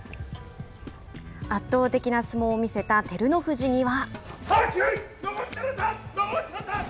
圧倒的な相撲を見せた照ノ富士には。